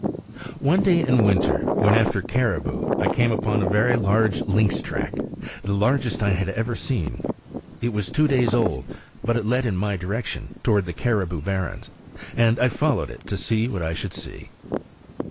One day in winter, when after caribou, I came upon a very large lynx track, the largest I have ever seen. It was two days old; but it led in my direction, toward the caribou barrens, and I followed it to see what I should see.